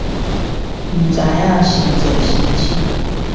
不知道實際申請